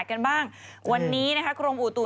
พี่ชอบแซงไหลทางอะเนาะ